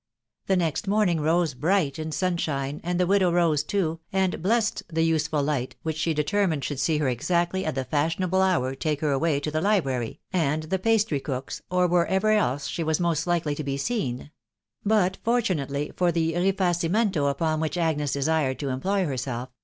The next morning rose bright in sunshine, and^the widow rose too, and " blessed the useful light," which she determined should see her exactly at the fashionable hour take her way to the library, and the pastry cook's, or wherever else she wss most likely to be seen ; but, fortunately for the rtfacimento upon which Agnes desired to employ Yieisdf.